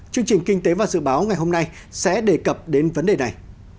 chương trình kinh tế và dự báo ngày hôm nay sẽ đề cập đến vấn đề này